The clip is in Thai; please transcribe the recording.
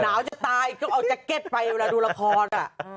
หนาวจะตายก็เอาแจ๊กเก็ตไปเวลาดูรพร